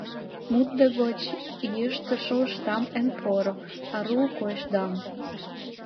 Мутда гочын йышт шолыштам эн поро, ару койышдам.